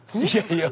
いや。